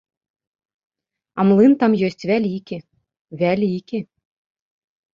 А млын там ёсць вялікі, вялікі!